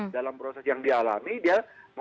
dalam proses yang dialami dia